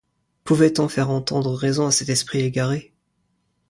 Pouvait-on faire entendre raison à cet esprit égaré?